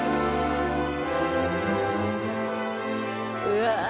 うわ！